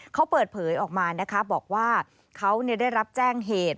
เขาเปิดเผยออกมานะคะบอกว่าเขาได้รับแจ้งเหตุ